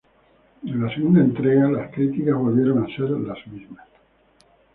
En la segunda entrega, las críticas volvieron a ser las mismas.